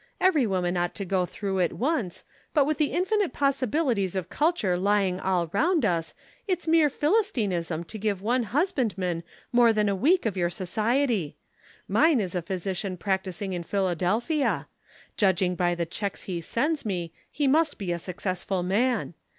Every woman ought to go through it once, but with the infinite possibilities of culture lying all round us it's mere Philistinism to give one husbandman more than a week of your society. Mine is a physician practising in Philadelphia. Judging by the checks he sends me he must be a successful man.